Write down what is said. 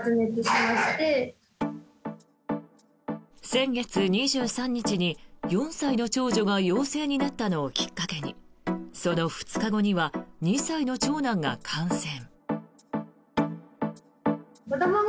先月２３日に４歳の長女が陽性になったのをきっかけにその２日後には２歳の長男が感染。